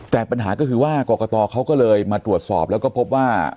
แต่ปัญหาก็คือว่ากรกตเขาก็เลยมาตรวจสอบแล้วก็พบว่า